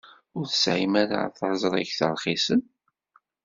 Ur tesɛim ara taẓrigt rxisen?